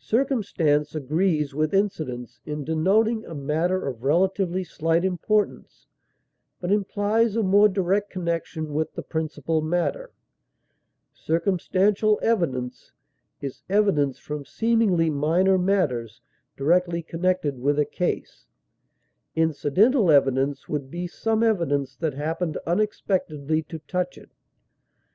Circumstance agrees with incident in denoting a matter of relatively slight importance, but implies a more direct connection with the principal matter; "circumstantial evidence" is evidence from seemingly minor matters directly connected with a case; "incidental evidence" would be some evidence that happened unexpectedly to touch it.